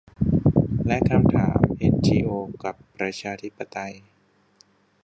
และคำถามเอ็นจีโอกับประชาธิปไตย